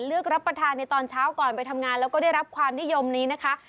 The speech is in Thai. เลือกรับประทานในตอนเช้าก่อนไปทำงานแล้วก็ได้รับความนิยมนี้นะคะ